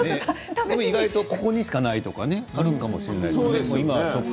意外とここにしかないものとかあるのかもしれませんね。